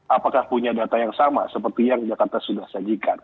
apakah punya data yang sama seperti yang jakarta sudah sajikan